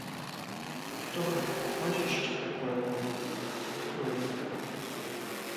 Што гэта, прозвішча такое можа, ці якое ліха?